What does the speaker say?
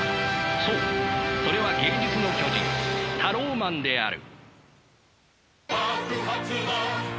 そうそれは芸術の巨人タローマンである。